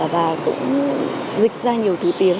và cũng dịch ra nhiều thứ tiếng